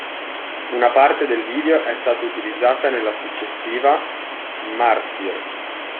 Una parte del video è stata utilizzata nella successiva "Martyr".